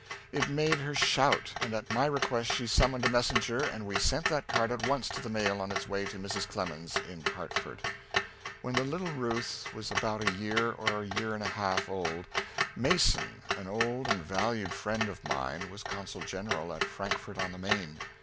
_" It made her shout; and at my request she summoned a messenger and we sent that card at once to the mail on its way to Mrs. Clemens in Hartford. When the little Ruth was about a year or a year and a half old, Mason, an old and valued friend of mine, was consul general at Frankfort on the Main.